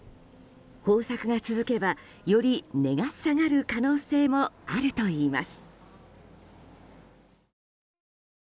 豊作が続けば、より値が下がる可能性もあるといいます。